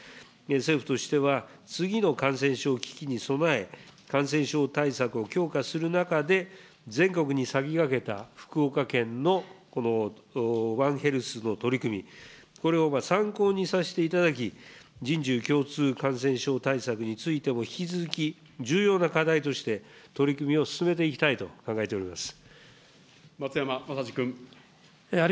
政府としては、次の感染症危機に備え、感染症対策を強化する中で、全国に先駆けた福岡県のこのワンヘルスの取り組み、これを参考にさせていただき、人獣共通感染症対策についても引き続き重要な課題として、取り組みを進めていきたいと考えております。